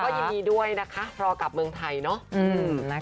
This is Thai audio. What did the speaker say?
ยินดีด้วยนะคะรอกลับเมืองไทยเนอะ